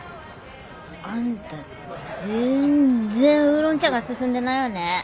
あんた全然ウーロン茶が進んでないわね。